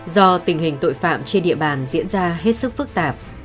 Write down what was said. do tình hình tội phạm trên địa bàn diễn ra hết sức phức tạp